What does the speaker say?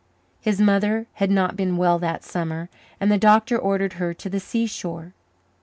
His mother had not been well that summer and the doctor ordered her to the seashore.